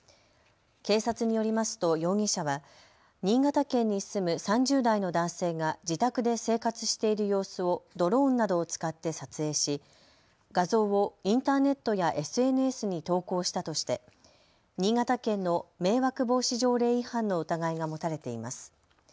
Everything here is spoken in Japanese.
警察によりますと容疑者は新潟県に住む３０代の男性が自宅で生活している様子をドローンなどを使って撮影し画像をインターネットやＳＮＳに投稿したとして新潟県の迷惑防止条例違反の疑いが持たれています。